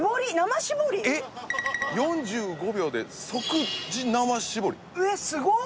「４５秒で即時生搾り」えっすごっ！